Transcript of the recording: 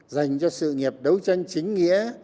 dành cho sự nghiệp đấu tranh chính nghĩa